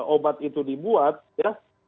obat itu dibuat ya